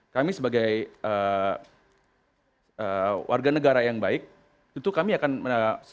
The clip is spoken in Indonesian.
kami sebagai warga negara yang baik itu kami akan selalu memberikan kewajiban